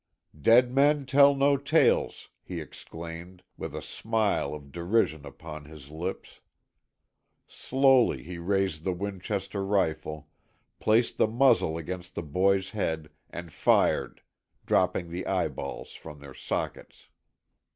"Dead men tell no tales," he exclaimed, with a smile of derision upon his lips. Slowly he raised the Winchester rifle, placed the muzzle against the boy's head and fired, dropping the eyeballs from their sockets.